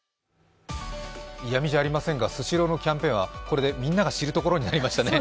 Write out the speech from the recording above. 嫌味じゃありませんが、スシローのキャンペーンはこれでみんなが知るところになりましたね。